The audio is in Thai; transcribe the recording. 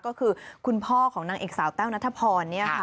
ก็คือคุณพ่อของนางเอกสาวแต้วนัทพร